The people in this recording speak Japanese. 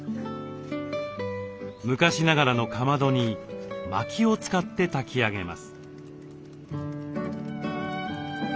昔ながらのかまどにまきを使って炊き上げます。